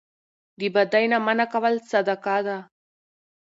د بدۍ نه منع کول صدقه ده